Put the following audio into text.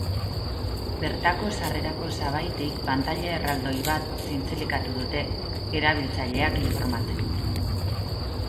Bertako sarrerako sabaitik pantaila erraldoi bat zintzilikatu dute, erabiltzaileak informatzeko.